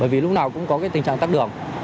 bởi vì lúc nào cũng có cái tình trạng tắt đường